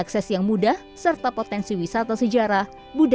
akses yang mudah serta potensi wisata sejarah budaya